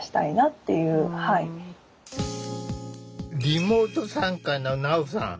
リモート参加のなおさん。